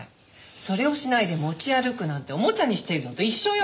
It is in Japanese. それをしないで持ち歩くなんてオモチャにしているのと一緒よ。